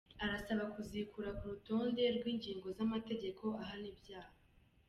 Arasaba kuzikura ku rutonde rw’ingingo z’amategeko ahana ibyaha mu Rwanda.